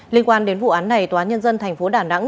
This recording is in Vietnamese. liên quan đến vụ án này tòa án nhân dân tp đà nẵng